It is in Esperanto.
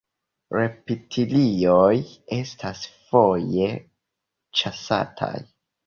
Reptilioj estas foje ĉasataj.